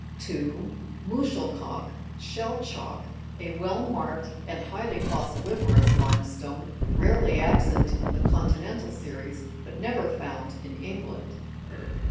2. Muschelkalk, (shell chalk), a well marked and highly fossili' ferous limestone, rarely absent in the continental series, but never found in England.